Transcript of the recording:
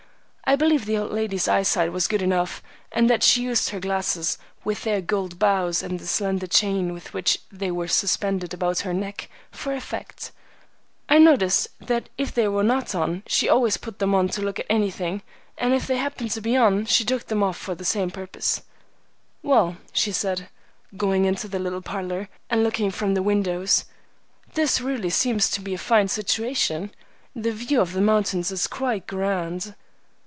I believe the old lady's eyesight was good enough, and that she used her glasses, with their gold bows and the slender chain with which they were suspended about her neck, for effect. I noticed that if they were not on she always put them on to look at anything, and if they happened to be on she took them off for the same purpose. "Well," she said, going into the little parlor, and looking from the windows, "this really seems to be a fine situation. The view of the mountains is quite grand."